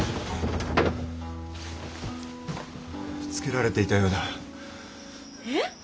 つけられていたようだ。えっ！？